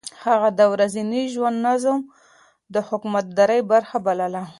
هغه د ورځني ژوند نظم د حکومتدارۍ برخه بلله.